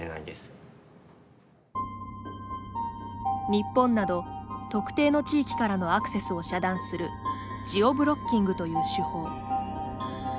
日本など、特定の地域からのアクセスを遮断するジオ・ブロッキングという手法。